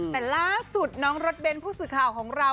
แต่ล่าสุดน้องรถเบ้นผู้สื่อข่าวของเรา